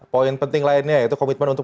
poin penting lainnya yaitu komitmen untuk